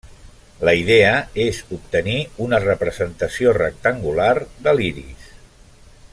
La idea és obtenir una representació rectangular de l'iris.